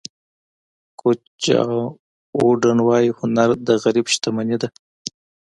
کوچ جان ووډن وایي هنر د غریب شتمني ده.